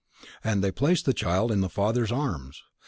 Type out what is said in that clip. And they placed the child in the father's arms!